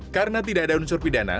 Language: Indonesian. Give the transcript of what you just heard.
karena tidak ada unsur pidana